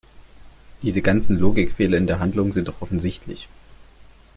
Diese ganzen Logikfehler in der Handlung sind doch offensichtlich!